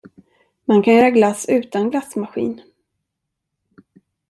Man kan göra glass utan glassmaskin.